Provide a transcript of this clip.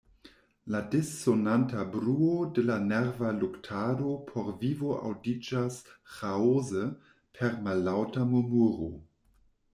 La dissonanta bruo de la nerva luktado por vivo aŭdiĝas ĥaose per mallaŭta murmuro.